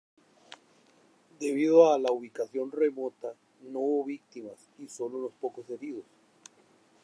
Debido a la ubicación remota, no hubo víctimas y sólo unos pocos heridos.